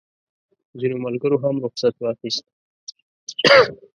ځینو ملګرو هم رخصت واخیست.